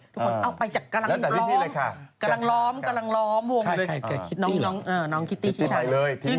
ทุกคนเอาไปจากกำลังล้อมน้องคิตตี้ใช่